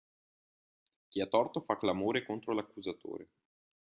Chi ha torto fa clamore contro l'accusatore.